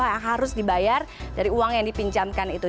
yang harus dibayar dari uang yang dipinjamkan itu